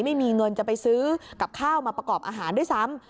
ไม่มีเงินจะไปซื้อกับข้าวมาประกอบอาหารด้วยซ้ำ